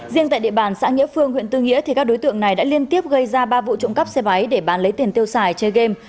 riêng tại địa bàn xã nghĩa phương huyện tư nghĩa các đối tượng này đã liên tiếp gây ra ba vụ trộm cắp xe máy để bán lấy tiền tiêu xài chơi game